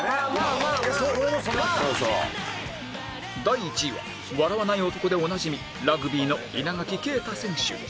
第１位は笑わない男でおなじみラグビーの稲垣啓太選手